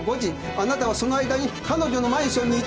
あなたはその間に彼女のマンションに行ってるんです。